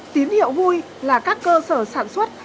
tín hiệu vui là các cơ sở sản xuất